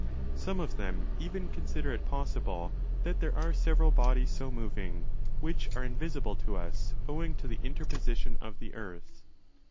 Some of them even consider it possible that there are several bodies so moving, which are invisible to us owing to the interposition of the earth.